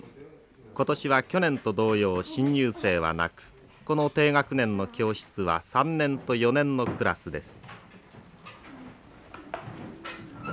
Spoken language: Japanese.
今年は去年と同様新入生はなくこの低学年の教室は３年と４年のクラスです。